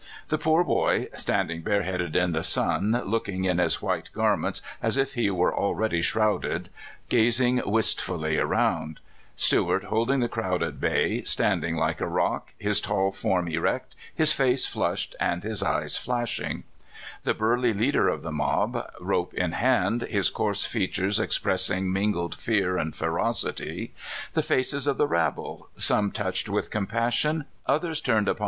The poor boy standing bare headed in the sun, looking, in his white garments, as if he were already shrouded, gazing wistfully around; Stuart holding the crowd at bay, standing like a rock, his tall form erect, his face flushed, and his eye flashing; the burl}^ leader of the mob, rope in hand, his coarse features expressing min gled fear and ferocity; the faces of the rabble, come touched with compassion , others turned upon THE TRAGEDY AT ALGERINE.